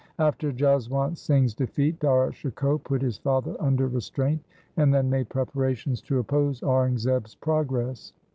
After Jaswant Singh's defeat Dara Shikoh put his father under restraint, and then made preparations to oppose Aurangzeb' s progress.